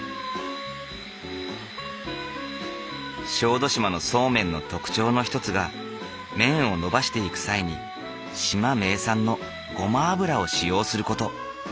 小豆島のそうめんの特徴の一つが麺を延ばしていく際に島名産のごま油を使用する事。